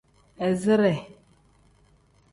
Izire.